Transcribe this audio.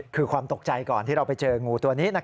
คือความตกใจก่อนที่เราไปเจองูตัวนี้